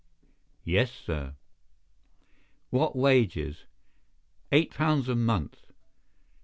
"Yes, sir." "What wages?" "Eight pounds a month."